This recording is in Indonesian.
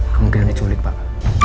kemudian diculik pak